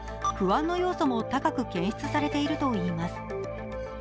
不安の要素も高く検出されているといいます。